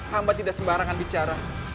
hamba tidak sembarangan bicara